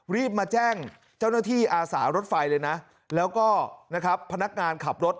รีบมาแจ้งเจ้าหน้าที่อาสารถไฟเลยนะแล้วก็นะครับพนักงานขับรถ